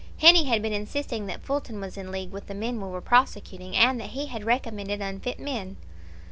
Heney had been insisting that Fulton was in league with the men we were prosecuting, and that he had recommended unfit men.